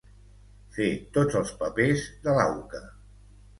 Fer tots els papers de l'auca.